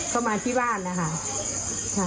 ก็มาที่บ้านนะคะ